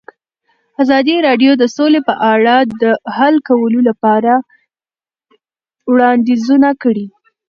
ازادي راډیو د سوله په اړه د حل کولو لپاره وړاندیزونه کړي.